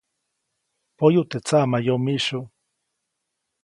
Poyu teʼ tsaʼmayomiʼsyu.